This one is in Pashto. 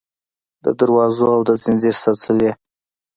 د دروازو او د ځنځیر سلسلې